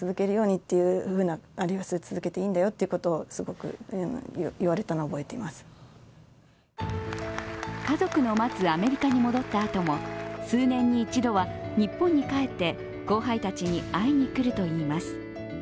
出産を間近に控えた阿部さんに対しては家族の待つアメリカに戻ったあとも数年に一度は日本に帰って後輩たちに会いに来るといいます。